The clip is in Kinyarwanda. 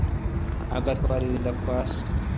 agatwarira inda kwa se;